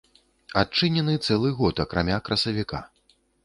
Адчынены цэлы год, акрамя красавіка.